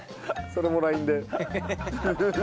それもＬＩＮＥで。